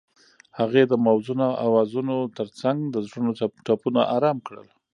هغې د موزون اوازونو ترڅنګ د زړونو ټپونه آرام کړل.